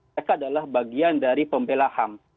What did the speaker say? mereka adalah bagian dari pembela ham